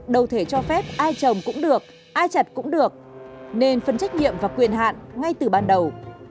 đầu thể cho phép ai trồng cũng được ai chặt cũng được nên phân trách nhiệm và quyền hạn ngay từ ban đầu